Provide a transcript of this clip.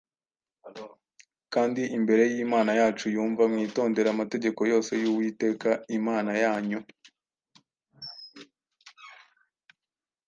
kandi imbere y’Imana yacu yumva, mwitondere amategeko yose y’Uwiteka Imana yanyu